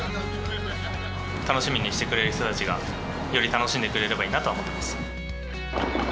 楽しみにしてくれてる人たちが、より楽しんでくれればいいなとは思ってます。